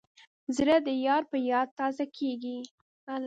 زړه د یار په یاد تازه کېږي.